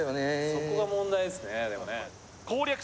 そこが問題ですねでもね